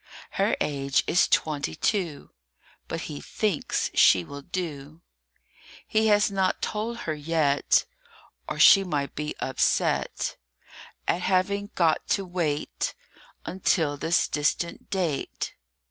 HER age is twenty two, But he thinks she will do; He has not told her yet, Or she might be upset At having got to wait Until this distant date.